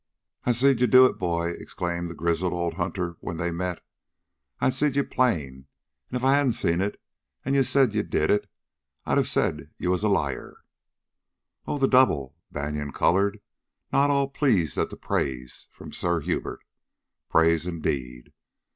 "I seed ye do hit, boy!" exclaimed the grizzled old hunter when they met. "I seed ye plain, an' ef I hadn't, an' ye'd said ye'd did hit, I'd of said ye was a liar." "Oh, the double?" Banion colored, not ill pleased at praise from Sir Hubert, praise indeed.